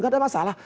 gak ada masalah